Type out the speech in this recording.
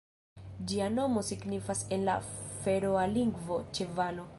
Ĝia nomo signifas en la feroa lingvo "ĉevalo".